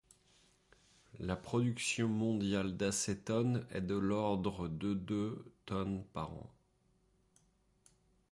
La production mondiale d'acétone est de l'ordre de de tonnes par an.